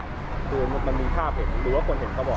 คือมันมีภาพเห็นดูว่าคนเห็นเขาบอก